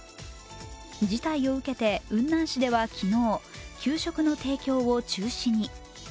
事態を受けて雲南市では昨日給食の提供を中止に。